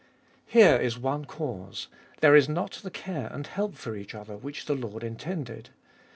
Here is one cause. There is not the care and help for each other which the Lord intended.